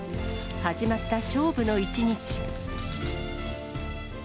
始まった勝負の一日。